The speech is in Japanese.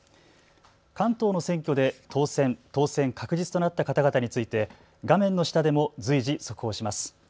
関東の選挙で、当選、当選確実となった方々について、画面の下でも随時速報します。